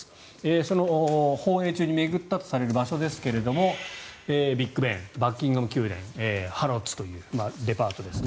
その訪英中に巡ったとされる場所ですがビッグ・ベン、バッキンガム宮殿ハロッズというデパートですね。